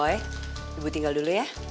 ibu tinggal dulu ya